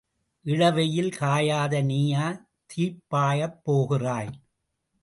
இளவெயில் காயாத நீயா தீப் பாயப் போகிறாய்?